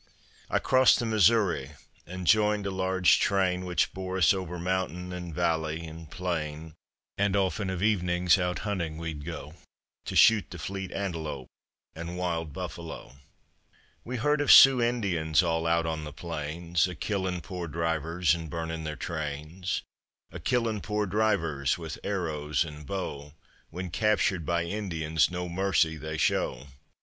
I crossed the Missouri and joined a large train Which bore us over mountain and valley and plain; And often of evenings out hunting we'd go To shoot the fleet antelope and wild buffalo. We heard of Sioux Indians all out on the plains A killing poor drivers and burning their trains, A killing poor drivers with arrows and bow, When captured by Indians no mercy they show.